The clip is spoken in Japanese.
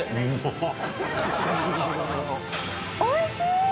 おいしい！